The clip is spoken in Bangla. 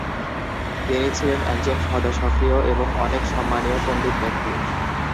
তিনি ছিলেন একজন সদাসক্রিয় এবং অনেক সম্মানীয় পণ্ডিত ব্যক্তি।